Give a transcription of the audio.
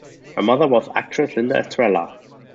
Her mother was actress Linda Estrella.